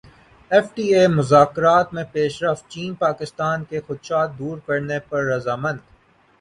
F T A مذاکرات میں پیش رفت چین پاکستان کے خدشات دور کرنے پر رضامند